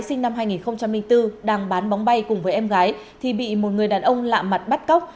sinh năm hai nghìn bốn đang bán bóng bay cùng với em gái thì bị một người đàn ông lạ mặt bắt cóc